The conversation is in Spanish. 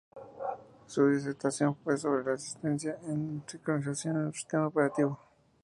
Su disertación fue sobre la eficiencia de la sincronización en un sistema operativo.